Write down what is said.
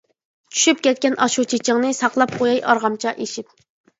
چۈشۈپ كەتكەن ئاشۇ چېچىڭنى، ساقلاپ قوياي ئارغامچا ئېشىپ.